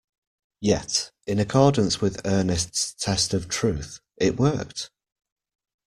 Yet, in accordance with Ernest's test of truth, it worked.